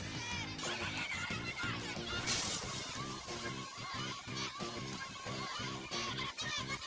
yang lainnya ada aja percaya agama baru kita tuh